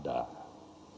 dalam waktunya yang relatif